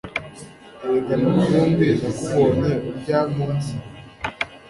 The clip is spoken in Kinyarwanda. Erega Mivumbi nakubonye urya munsi